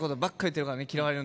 嫌われる？